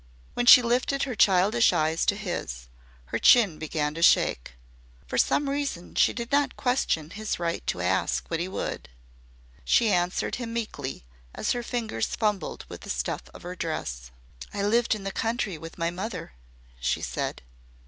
When she lifted her childish eyes to his, her chin began to shake. For some reason she did not question his right to ask what he would. She answered him meekly, as her fingers fumbled with the stuff of her dress. "I lived in the country with my mother," she said.